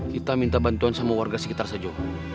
kita minta bantuan sama warga sekitar saja